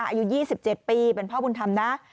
อายุ๒๗ปีเป็นพ่อบุญธรรมนะ